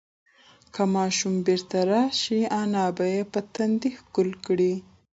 که ماشوم بیرته راشي، انا به یې په تندي ښکل کړي.